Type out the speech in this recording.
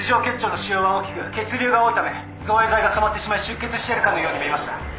結腸の腫瘍は大きく血流が多いため造影剤が染まってしまい出血しているかのように見えました。